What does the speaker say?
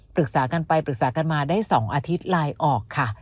ปรึกษากันไปปรึกษากันมาได้๒อาทิตย์ไลน์ออกค่ะ